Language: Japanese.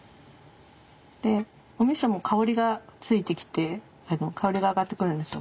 でおみそも香りがついてきて香りが上がってくるんですよ